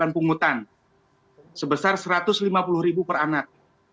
yang pungutan sebesar rp satu ratus lima puluh per anak